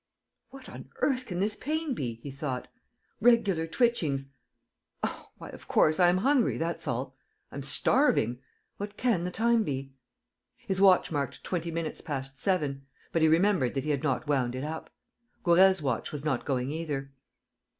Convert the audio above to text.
"What on earth can this pain be?" he thought. "Regular twitchings. ... Oh, why, of course, I am hungry, that's all. ... I'm starving! What can the time be?" His watch marked twenty minutes past seven, but he remembered that he had not wound it up. Gourel's watch was not going either.